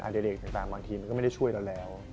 เด็กต่างบางทีมันก็ไม่ได้ช่วยเราแล้ว